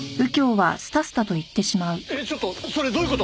えっちょっとそれどういう事！？